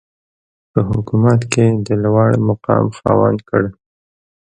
په حکومت کې د لوړمقام خاوند کړ.